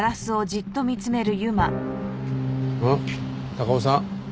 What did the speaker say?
高尾さん？